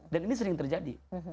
dan ini sering terjadi